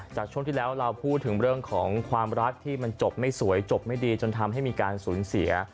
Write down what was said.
จากช่วงที่แล้วเราพูดถึงเรื่องของความรักที่มันจบไม่สวยจบไม่ดีจนทำให้มีการสูญเสีย